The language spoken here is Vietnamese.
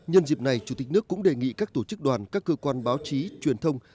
nhân dịp này chủ tịch nước cũng đề nghị các tổ chức đoàn các cơ quan báo chí truyền thông